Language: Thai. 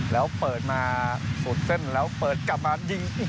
แล้วเปิดมาสูดเส้นแล้วเปิดกลับมายิงอีก